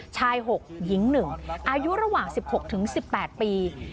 ชายหกหญิงหนึ่งอายุระหว่างสิบหกถึงสิบแปดปี